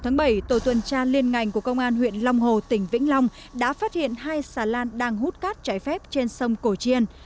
ngày bảy tổ tuần tra liên ngành của công an huyện long hồ tỉnh vĩnh long đã phát hiện hai xà lan đang hút cát trái phép trên sông cổ chiên